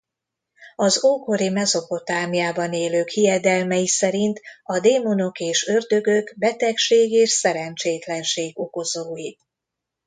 Az ókori Mezopotámiában élők hiedelmei szerint a démonok és ördögök betegség és szerencsétlenség okozói.